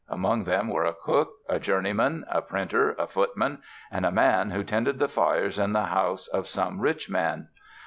Among them were a cook, a journeyman, a printer, a footman, and a man who tended the fires in the house of some rich man.